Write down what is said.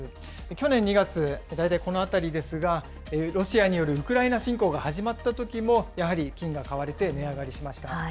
去年２月、大体この辺りですが、ロシアによるウクライナ侵攻が始まったときも、やはり金が買われて値上がりしました。